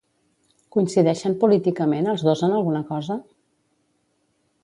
Coincideixen políticament els dos en alguna cosa?